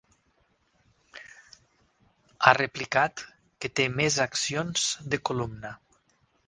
Ha replicat que té més accions de Columna.